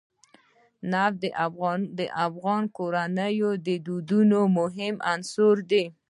نفت د افغان کورنیو د دودونو مهم عنصر دی.